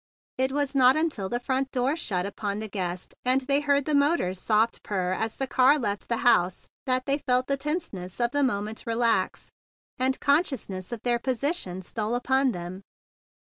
It was not until the front door shut upon the guest and they heard the motor's soft purr as the car left the THE BIG BLUE SOLDIER 175 house that they felt the tenseness of the moment relax, and consciousness of their position stole upon them.